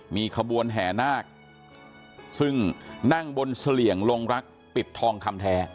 มีขบวนแห่นาคซึ่งนั่งบนเสลี่ยงลงรักปิดทองคำแท้